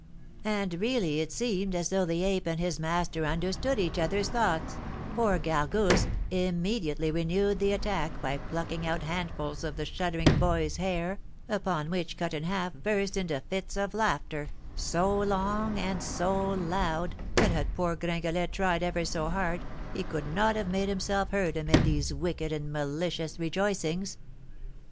And really it seemed as though the ape and his master understood each other's thoughts, for Gargousse immediately renewed the attack by plucking out handfuls of the shuddering boy's hair, upon which Cut in Half burst into fits of laughter, so long and so loud that, had poor Gringalet tried ever so hard, he could not have made himself heard amid these wicked and malicious rejoicings.